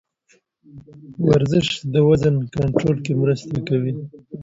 ورزش د وزن کنټرول کې مرسته کوي.